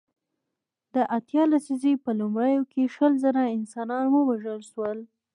د اتیا لسیزې په لومړیو کې شل زره انسانان ووژل شول.